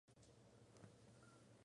Hermann Vogel